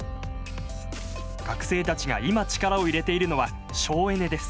学生たちが今力を入れているのは省エネです。